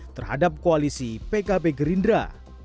terhadap koalisi pkb gerindra